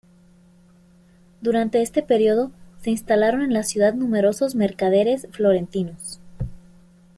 Durante este periodo se instalaron en la ciudad numerosos mercaderes florentinos.